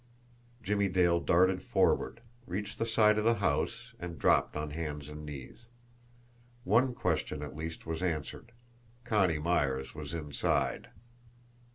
Jimmie Dale darted forward, reached the side of the house, and dropped on hands and knees. One question at least was answered Connie Myers was inside.